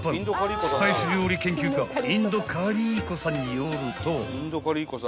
［スパイス料理研究家印度カリー子さんによると］